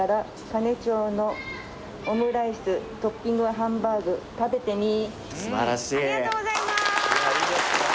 「金長のオムライス」「トッピングはハンバーグ食べてみ！」